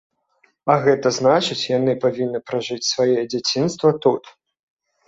А гэта значыць, яны павінны пражыць сваё дзяцінства тут.